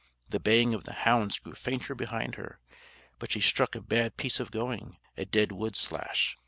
The baying of the hounds grew fainter behind her. But she struck a bad piece of going, a dead wood slash.